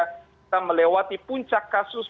kita melewati puncak kasus